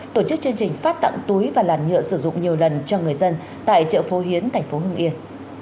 tổ chức chương trình phát tặng túi và làn nhựa sử dụng nhiều lần cho người dân tại chợ phố hiến thành phố hưng yên